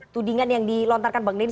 tudingan yang dilontarkan bang denn